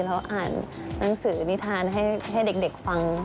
เราอ่านหนังสือนิทานให้เด็กฟัง